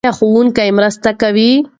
ایا ښوونکی مرسته کوي؟